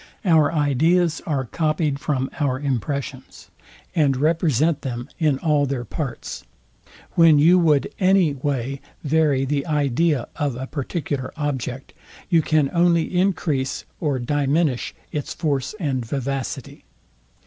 Our ideas are copyed from our impressions, and represent them in all their parts. When you would any way vary the idea of a particular object, you can only encrease or diminish its force and vivacity.